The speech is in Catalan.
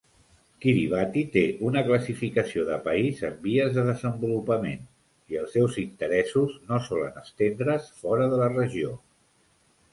Kiribati té una classificació de país en vies de desenvolupament i els seus interessos no solen estendre"s fora de la regió.